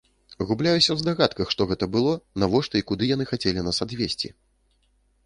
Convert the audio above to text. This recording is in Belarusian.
Губляюся ў здагадках, што гэта было, навошта і куды яны хацелі нас адвезці.